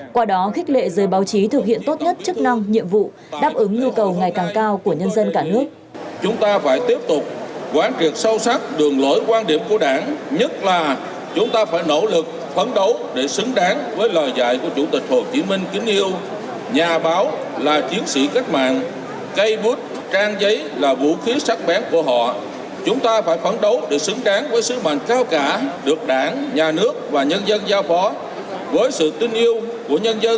qua đó khích lệ giới báo chí thực hiện tốt nhất chức năng nhiệm vụ đáp ứng nhu cầu ngày càng cao của nhân dân cả nước